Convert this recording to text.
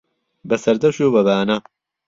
به سهردهشت و به بانه